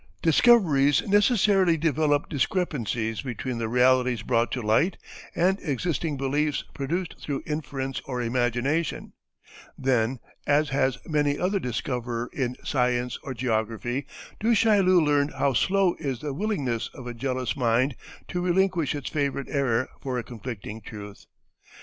Discoveries necessarily develop discrepancies between the realities brought to light and existing beliefs produced through inference or imagination; then, as has many another discover in science or geography, Du Chaillu learned how slow is the willingness of a jealous mind to relinquish its favorite error for a conflicting truth.